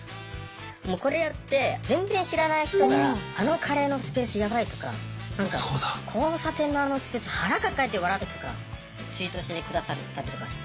もうこれやって全然知らない人から「あのカレーのスペースやばい！」とか何か「交差点のあのスペース腹抱えて笑った」とかツイートして下さったりとかして。